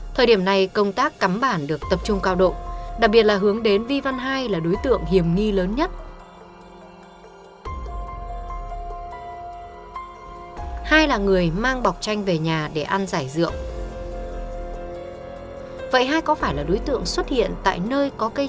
thời điểm này công tác cắm bản sinh sống và làm việc tại đây